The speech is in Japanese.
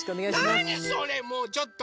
なにそれもうちょっと！